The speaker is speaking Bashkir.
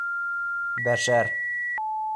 Бәшәр.